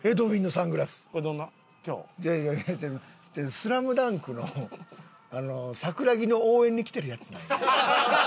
『ＳＬＡＭＤＵＮＫ』の桜木の応援に来てるヤツなんよ。